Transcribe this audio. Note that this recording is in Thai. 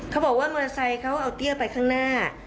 เขาบอกว่ามอเตอร์ไซค์เขาเอาเตี้ยไปข้างหน้า